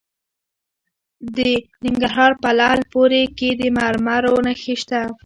د ننګرهار په لعل پورې کې د مرمرو نښې شته.